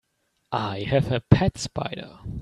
I have a pet spider.